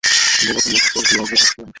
জেলাটি মহীশূর বিভাগের একটি অংশ।